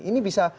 ini bisa membuat